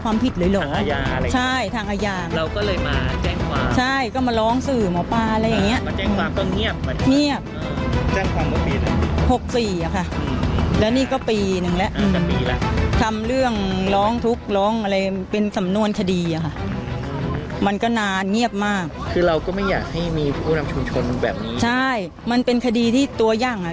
อันนี้ก็ปีหนึ่งและทำเรื่องร้องทุกข์ร้องอะไรเป็นสำนวนคดีค่ะมันก็นานเงียบมากคือเราก็ไม่อยากให้มีผู้นำชุมชนแบบนี้ใช่มันเป็นคดีที่ตัวย่างอ่ะ